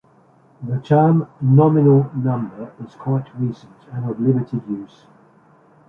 The term "nominal number" is quite recent and of limited use.